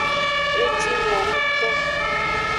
E jingo ngto.